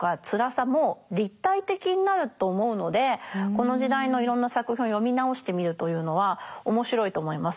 この時代のいろんな作品を読み直してみるというのは面白いと思います。